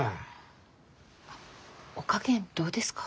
お加減どうですか？